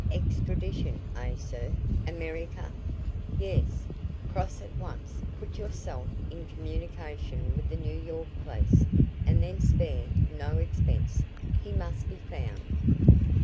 "Extradition, eh, sir? America?" "Yes. Cross at once; put yourself in communication with the New York police, and then spare no expense. He must be found."